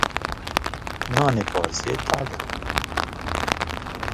Nanê parsê tal e.